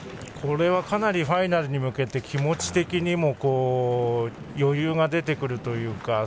これはかなりファイナルに向けて気持ち的にも余裕が出てくるというか。